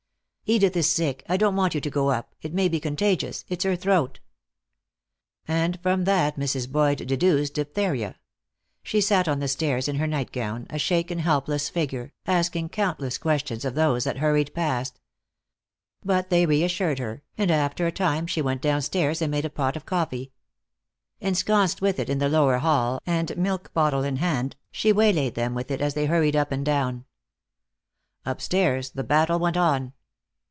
"Edith is sick. I don't want you to go up. It may be contagious. It's her throat." And from that Mrs. Boyd deduced diphtheria; she sat on the stairs in her nightgown, a shaken helpless figure, asking countless questions of those that hurried past. But they reassured her, and after a time she went downstairs and made a pot of coffee. Ensconced with it in the lower hall, and milk bottle in hand, she waylaid them with it as they hurried up and down. Upstairs the battle went on.